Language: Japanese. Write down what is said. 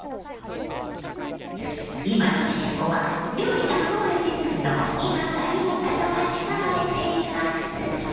今とし子は料理が運ばれてくるのを今か今かと待ち構えています。